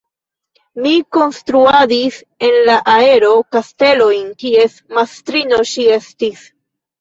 Mi konstruadis en la aero kastelojn, kies mastrino ŝi estis.